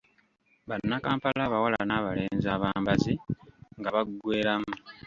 Bannakampala abawala n'abalenzi abambazi, nga baggweeramu.